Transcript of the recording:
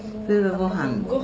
「ご飯」